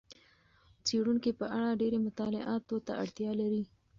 څېړونکي په اړه ډېرې مطالعاتو ته اړتیا لري.